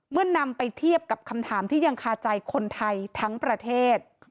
นำไปเทียบกับคำถามที่ยังคาใจคนไทยทั้งประเทศ